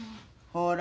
ほら。